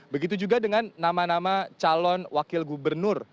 begitu juga dengan nama nama calon wakil gubernur